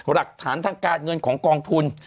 หลักฐานทางการเงินของกองทุน